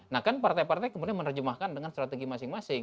nah kan partai partai kemudian menerjemahkan dengan strategi masing masing